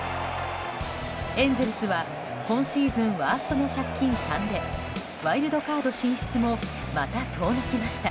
エンゼルスは今シーズンワーストの借金３でワイルドカード進出もまた遠のきました。